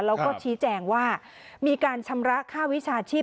แล้วก็ชี้แจงว่ามีการชำระค่าวิชาชีพ